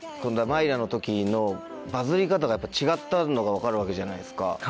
『Ｍｙｒａ』の時のバズり方が違ったのが分かるわけじゃないですか。